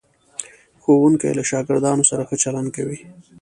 ښوونکی له شاګردانو سره ښه چلند کوي.